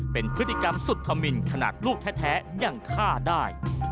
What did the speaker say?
เป็นพฤติกรรมสุดธมินขนาดลูกแท้ยังฆ่าได้